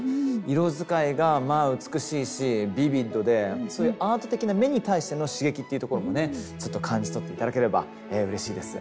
色使いが美しいしビビッドでそういうアート的な目に対しての刺激っていうところもちょっと感じ取って頂ければうれしいです。